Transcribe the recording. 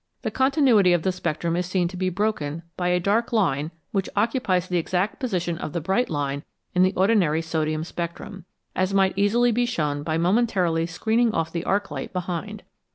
The continuity of the spectrum is seen to be broken by a dark line which occupies the exact position of the bright line in the ordinary sodium spectrum, as might easily be shown by momentarily screening off the arc light behind.